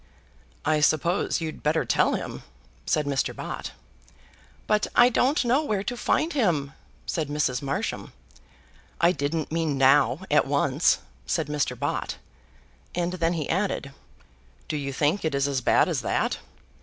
"I suppose you'd better tell him?" said Mr. Bott. "But I don't know where to find him," said Mrs. Marsham. "I didn't mean now at once," said Mr. Bott; and then he added, "Do you think it is as bad as that?"